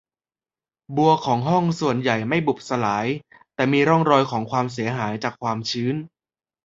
บัวของห้องส่วนใหญ่ไม่บุบสลาย แต่มีร่องรอยของความเสียหายจากความชื้น